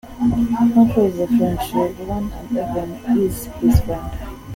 Humphrey is a friend to everyone and everyone is his friend.